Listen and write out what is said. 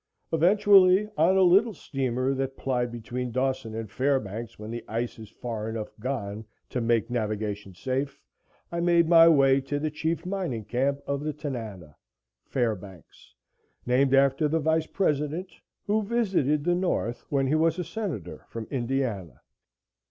Eventually, on a little steamer that plied between Dawson and Fairbanks when the ice is far enough gone to make navigation safe, I made my way to the chief mining camp of the Tanana Fairbanks, named after the vice president, who visited the North when he was a senator from Indiana.